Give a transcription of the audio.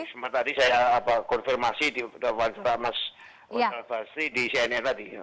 yang sempat tadi saya konfirmasi di wansar basri di cnn tadi